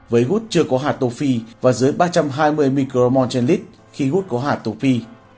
với gút chưa có hạt tô phi và dưới ba trăm hai mươi micromol trên lít khi gút có hạt tô phi